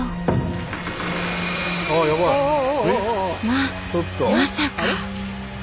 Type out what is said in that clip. ままさか。